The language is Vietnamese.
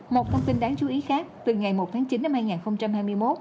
một thông tin đáng chú ý khác từ ngày một tháng chín năm hai nghìn hai mươi một